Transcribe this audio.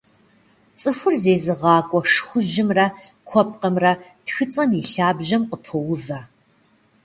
Цӏыхур зезыгъакӏуэ шхужьымрэ куэпкъымрэ тхыцӏэм и лъабжьэм къыпоувэ.